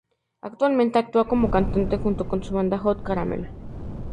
Actualmente actúa como cantante junto con su banda, "Hot Caramel".